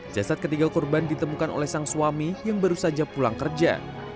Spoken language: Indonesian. jasad ketiga korban ditemukan oleh sang suami yang baru saja pulang kerja